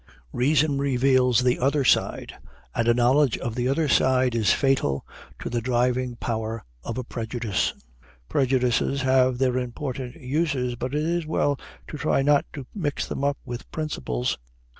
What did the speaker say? Reason reveals the other side, and a knowledge of the other side is fatal to the driving power of a prejudice. Prejudices have their important uses, but it is well to try not to mix them up with principles.